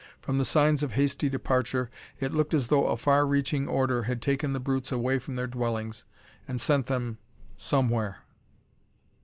From the signs of hasty departure, it looked as though a far reaching order had taken the brutes away from their dwellings, and sent them somewhere.